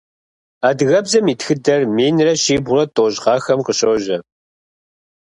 Адыгэбзэм и тхыдэр минрэ щибгъурэ тӏощӏ гъэхэм къыщожьэ.